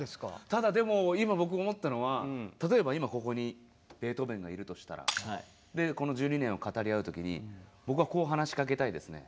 ただでも今僕思ったのは例えば今ここにベートーベンがいるとしたらでこの１２年を語り合う時に僕はこう話しかけたいですね。